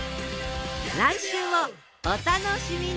来週もお楽しみに！